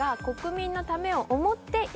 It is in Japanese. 国民のためを思って？